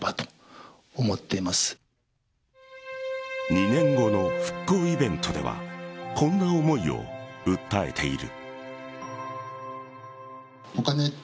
２年後の復興イベントではこんな思いを訴えている。